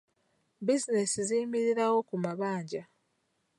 Bizinensi ziyimirirawo ku mabanja.